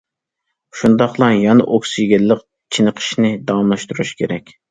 شۇنداقلا يەنە ئوكسىگېنلىق چېنىقىشنى داۋاملاشتۇرۇش كېرەك.